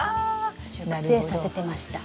熟成させてました。